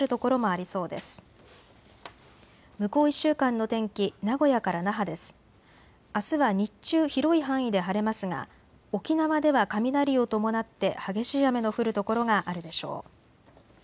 あすは日中広い範囲で晴れますが沖縄では雷を伴って激しい雨の降る所があるでしょう。